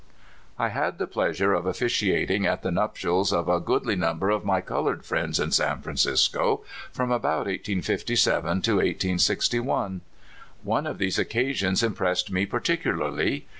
I had the pleasure of officiating at the nuptials ot a goodly number of my colored friends in San Wancisco from about 1857 to 1861. One of these occasions impressed me particularly.